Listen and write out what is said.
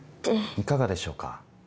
いかがでしょうか。